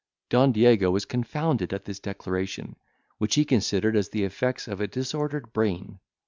Don Diego was confounded at this declaration, which he considered as the effects of a disordered brain.